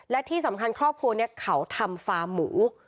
และที่สำคัญครอบครัวนี้เขาทำฟาร์มหมู